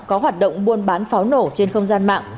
có hoạt động buôn bán pháo nổ trên không gian mạng